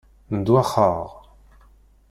Ndewwaxeɣ.